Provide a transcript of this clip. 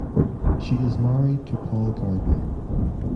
She is married to Paul Gardner.